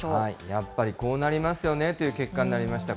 やっぱりこうなりますよねという結果になりました。